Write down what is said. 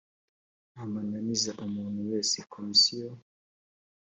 nta mananiza umuntu wese komisiyo